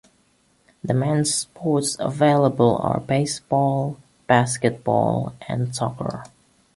The men's sports available are baseball, basketball, and soccer.